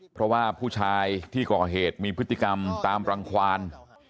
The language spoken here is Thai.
เพราะว่าผู้ชายที่ก่อเหตุมีพฤติกรรมตามรังความ